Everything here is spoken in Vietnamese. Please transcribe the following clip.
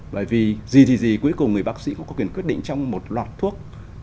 bởi vì gì gì gì cuối cùng người bác sĩ cũng có quyền quyết định trong một loạt thuốc